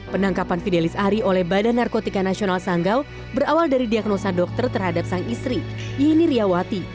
penangkapan fidelis ari oleh badan narkotika nasional sanggau berawal dari diagnosa dokter terhadap sang istri yeni riawati